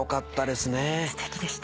すてきでした。